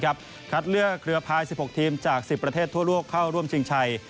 คัดเลือกเครือภาย๑๖ทีมจาก๑๐ประเทศทั่วโลกเข้าร่วมชิงชัย